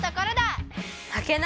まけないよ！